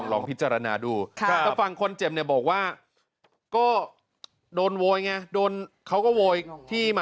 ก็พูดแบบตามภาษาคุณเมาใช่ไหม